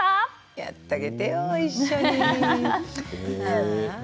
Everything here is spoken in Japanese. やってあげてよ一緒に。